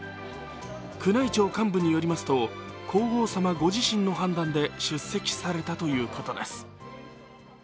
宮内庁幹部によりますと皇后さまご自身の判断で出席されたということです。